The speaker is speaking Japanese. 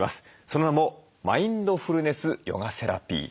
その名もマインドフルネス・ヨガセラピー。